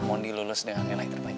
mending lulus dengan lari terbaik